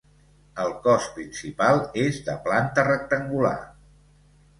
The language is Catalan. El cos principal és de planta rectangular.